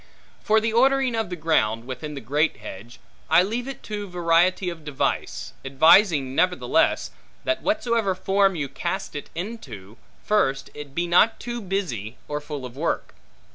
For the ordering of the ground, within the great hedge, I leave it to variety of device; advising nevertheless, that whatsoever form you cast it into, first, it be not too busy, or full of work.